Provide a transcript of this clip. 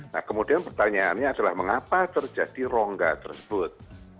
nah kemudian pertanyaannya adalah mengapa terjadi rongga tersebut